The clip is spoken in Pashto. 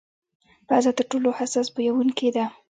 پزه تر ټولو حساس بویونکې ده.